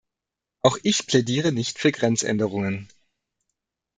Auch ich plädiere nicht für Grenzänderungen.